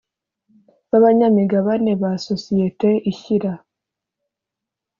b abanyamigabane ba sosiyete ishyira